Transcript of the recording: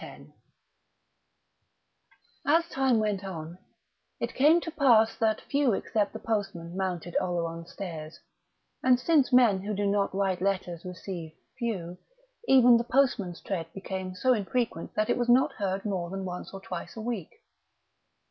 X As time went on, it came to pass that few except the postman mounted Oleron's stairs; and since men who do not write letters receive few, even the postman's tread became so infrequent that it was not heard more than once or twice a week.